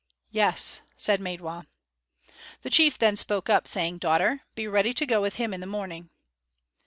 "Yes," said Maidwa. The chief then spoke up, saying, "Daughter, be ready to go with him in the morning."